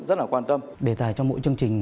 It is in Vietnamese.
rất là quan tâm đề tài cho mỗi chương trình